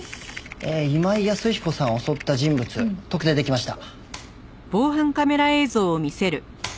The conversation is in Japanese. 今井安彦さんを襲った人物特定できました。